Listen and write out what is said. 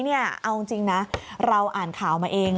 เอาจริงนะเราอ่านข่าวมาเอง